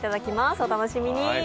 お楽しみに。